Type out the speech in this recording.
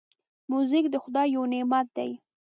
موزیک د خدای یو نعمت دی.